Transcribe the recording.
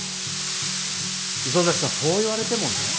磯崎さんそう言われてもね。